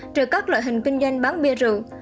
trừ các loại hình kinh doanh bán bia rượu